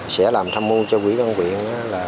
sẽ làm thăm mưu cho quỹ văn viện